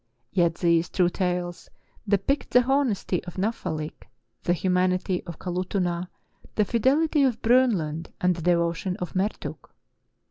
Yet these "True Tales" depict the honesty of Navfahk, the humanity of Kalutunah, the fidelity of Bronlund, and the devotion of Mertuk.